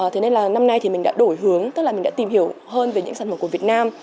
thế nên là năm nay thì mình đã đổi hướng tức là mình đã tìm hiểu hơn về những sản phẩm của việt nam